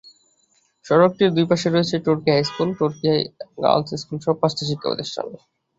সড়কটির দুই পাশে রয়েছে টরকী হাইস্কুল, টরকী গার্লস স্কুলসহ পাঁচটি শিক্ষাপ্রতিষ্ঠান।